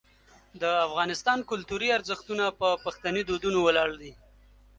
د افغانستان کلتوري ارزښتونه په پښتني دودونو ولاړ دي.